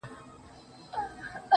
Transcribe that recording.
د ژوندون نور وړی دی اوس په مدعا يمه زه.